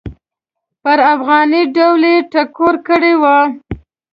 پر افغاني ډول یې ډیکور کړی و.